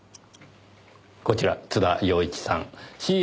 こちら津田陽一さん。